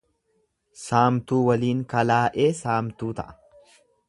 Saamtuu waliin kalaa'ee saamtuu ta'a.